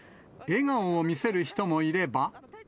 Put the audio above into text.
笑顔を見せる人もいれば。